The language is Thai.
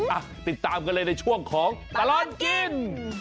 อ่ะติดตามกันเลยในช่วงของตลอดกิน